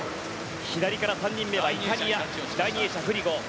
左から３人目はイタリア第２泳者、フリゴ。